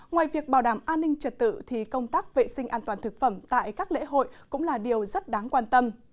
ngoài việc bảo đảm an ninh trật tự thì công tác vệ sinh an toàn thực phẩm tại các lễ hội cũng là điều rất đáng quan tâm